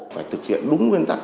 phải thực hiện đúng nguyên tắc